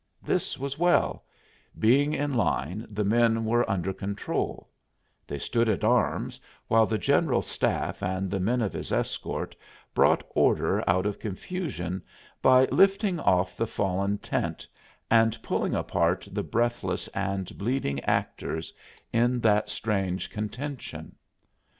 This was well; being in line the men were under control; they stood at arms while the general's staff and the men of his escort brought order out of confusion by lifting off the fallen tent and pulling apart the breathless and bleeding actors in that strange contention.